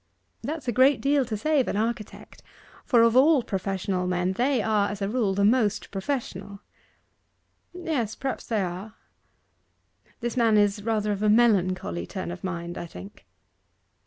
'That's a great deal to say of an architect, for of all professional men they are, as a rule, the most professional.' 'Yes; perhaps they are. This man is rather of a melancholy turn of mind, I think.